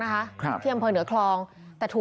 พี่หุยรู้มั้ยเขาทำอะไรอยู่ในห้องนอนในมือถื